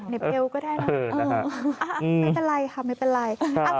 ไม่เป็นไรค่ะไม่เป็นไร